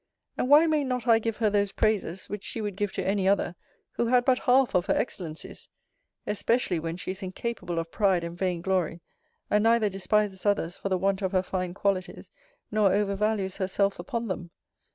And why may not I give her those praises, which she would give to any other, who had but half of her excellencies? Especially when she is incapable of pride and vain glory; and neither despises others for the want of her fine qualities, nor overvalues herself upon them?